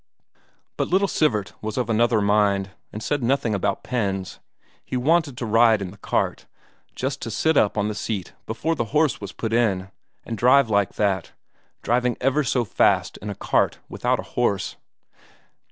But little Sivert he was of another mind, and said nothing about pens; he wanted to ride in the cart; just to sit up on the seat before the horse was put in, and drive like that, driving ever so fast in a cart without a horse.